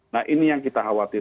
nah ini yang kita khawatir